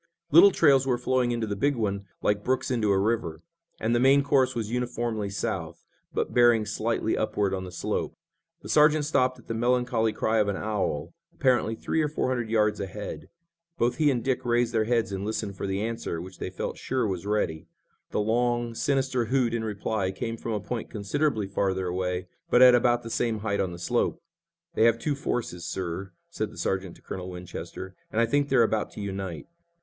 Little trails were flowing into the big one like brooks into a river, and the main course was uniformly south, but bearing slightly upward on the slope. The sergeant stopped at the melancholy cry of an owl, apparently three or four hundred yards ahead. Both he and Dick raised their heads and listened for the answer, which they felt sure was ready. The long, sinister hoot in reply came from a point considerably farther away, but at about the same height on the slope. "They have two forces, sir," said the sergeant to Colonel Winchester, "and I think they're about to unite."